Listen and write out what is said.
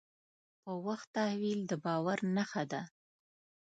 په وخت تحویل د باور نښه ده.